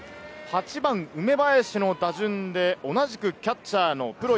８番・梅林の打順で同じくキャッチャーのプロ